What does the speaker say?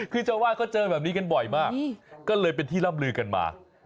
คือเจ้าวาดก็เจอแบบนี้กันบ่อยมากก็เลยเป็นที่ร่ำลือกันมา